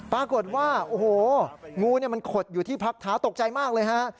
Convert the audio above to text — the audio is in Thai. ปรากฏว่าโอ้โหงูมันขดอยู่ที่พักเท้าตกใจมากเลยฮะ